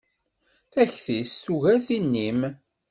Takti-s tugar tin-im.